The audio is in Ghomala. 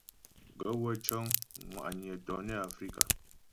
Gaə̂ wə́ cə́ŋ ŋwà'nyə̀ tɔnə Afrikà.